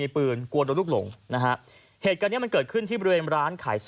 มีลูกน้องอยู่นะ